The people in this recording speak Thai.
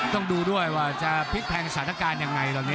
ต้องดูด้วยว่าจะพลิกแพงสถานการณ์ยังไงตอนนี้